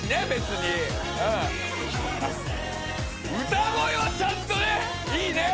歌声はちゃんとねいいね。